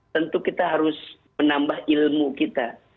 tentu kita harus menambah ilmu kita